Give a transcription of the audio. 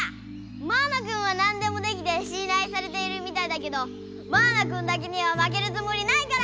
マウナくんはなんでもできてしんらいされているみたいだけどマウナくんだけにはまけるつもりないから！